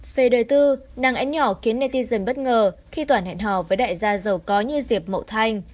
về đời tư nàng ánh nhỏ khiến natison bất ngờ khi toàn hẹn hò với đại gia giàu có như diệp mậu thanh